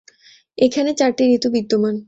এখানে চারটি ঋতু বিদ্যমান।